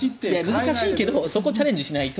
難しいけどチャレンジしないと。